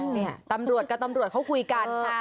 เนี่ยตำรวจกับตำรวจเขาคุยกันค่ะ